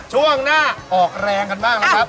ช่วงหน้าออกแรงกันบ้างนะครับ